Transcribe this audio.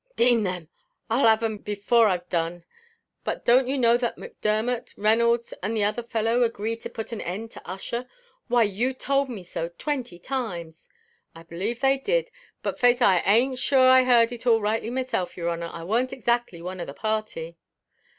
"D n them! I'll have 'em before I've done. But don't you know that Macdermot, Reynolds, and the other fellow agreed to put an end to Ussher? Why you told me so twenty times." "I b'lieve they did; but faix, I ain't shure I heard it all rightly myself, yer honour; I warn't exactly one of the party."